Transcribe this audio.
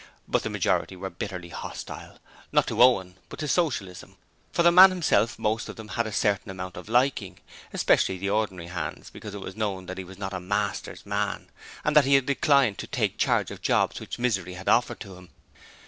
But the majority were bitterly hostile; not to Owen, but to Socialism. For the man himself most of them had a certain amount of liking, especially the ordinary hands because it was known that he was not a 'master's man' and that he had declined to 'take charge' of jobs which Misery had offered to him.